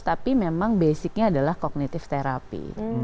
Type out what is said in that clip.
tapi memang basicnya adalah kognitif terapi